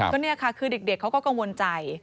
ก็เนี่ยค่ะคือเด็กเขาก็กังวลใจ